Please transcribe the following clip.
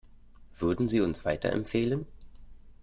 Würden Sie uns weiterempfehlen?